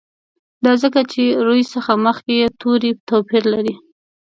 دا ځکه چې روي څخه مخکي یې توري توپیر لري.